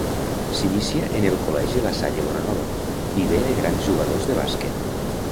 S'inicia en el Col·legi La Salle Bonanova, viver de grans jugadors de bàsquet.